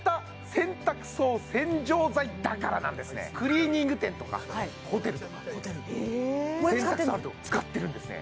だからなんですねクリーニング店とかホテルとか洗濯槽あると使ってるんですね